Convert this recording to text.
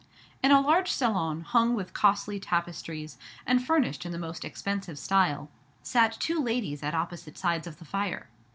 In a large salon, hung with costly tapestries, and furnished in the most expensive style, sat two ladies at opposite sides of the fire.